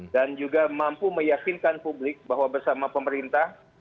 dan juga mampu meyakinkan publik bahwa bersama pemerintah